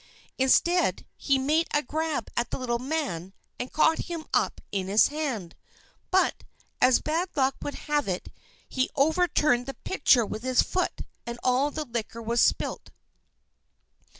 Instead, he made a grab at the little man and caught him up in his hand; but, as bad luck would have it, he overturned the pitcher with his foot, and all the liquor was spilt.